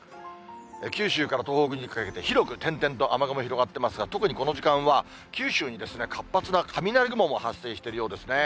九州から東北にかけて、広く点々と雨雲が広がっていますが、特にこの時間は、九州に活発な雷雲も発生しているようですね。